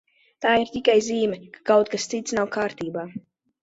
Tā ir tikai zīme, ka kaut kas cits nav kārtībā.